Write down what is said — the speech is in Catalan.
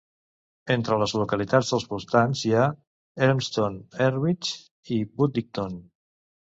Entre les localitats dels voltants hi ha Elmstone-Hardwicke i Boodington.